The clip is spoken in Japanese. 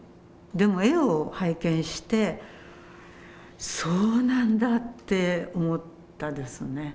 でも絵を拝見してそうなんだって思ったですね。